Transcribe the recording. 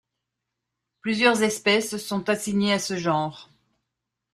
Plusieurs espèces sont assignées à ce genre.